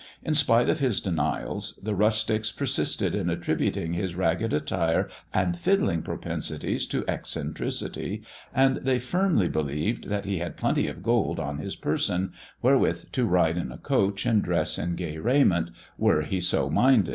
In spite of his denials the rustics persisted in attributing his ragged attire and fiddling propensities to eccentricity, and they firmly be lieved that he had plenty of gold on his person, wherewith to ride in a coach and dress in gay raiment were he so minded.